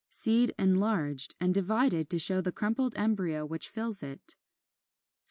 Seed enlarged, and divided to show the crumpled embryo which fills it. 16.